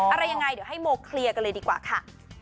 อะไรยังไงเดี๋ยวให้โมเคลียร์กันเลยดีกว่าค่ะ